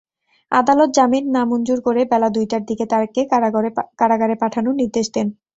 আদালত জামিন নামঞ্জুর করে বেলা দুইটার দিকে তাঁকে কারাগারে পাঠানোর নির্দেশ দেন।